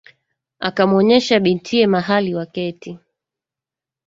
Akamwonesha bintiye mahali waketi.